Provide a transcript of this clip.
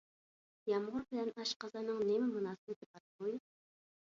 يامغۇر بىلەن ئاشقازاننىڭ نېمە مۇناسىۋىتى بار ھوي؟